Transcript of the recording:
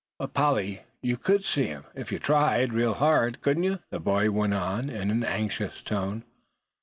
"But Polly, you could see him if you tried real hard, couldn't you?" the boy went on, in an anxious tone.